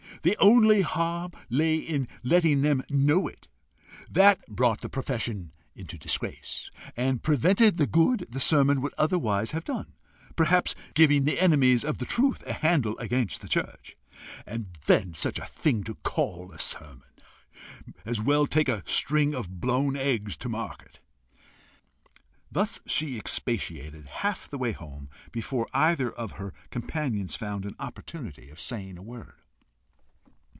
The only harm lay in letting them know it; that brought the profession into disgrace, and prevented the good the sermon would otherwise have done, besides giving the enemies of the truth a handle against the church. And then such a thing to call a sermon! As well take a string of blown eggs to market! Thus she expatiated, half the way home, before either of her companions found an opportunity of saying a word.